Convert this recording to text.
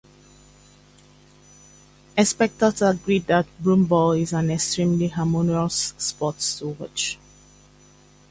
Spectators agree that broomball is an extremely humorous sport to watch.